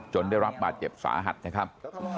ได้รับบาดเจ็บสาหัสนะครับ